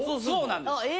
そうなんです。